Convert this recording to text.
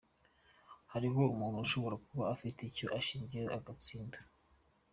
Hariho umuntu ushobora kuba afite icyo ashingiyeho agatsinda”.